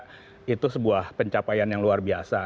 dan saya kira itu sebuah pencapaian yang luar biasa